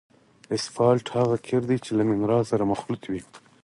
اسفالټ هغه قیر دی چې له منرال سره مخلوط وي